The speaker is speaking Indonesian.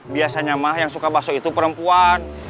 biasanya mah yang suka bakso itu perempuan